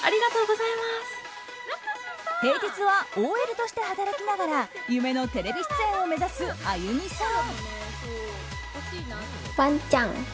平日はＯＬとして働きながら夢のテレビ出演を目指す歩実さん。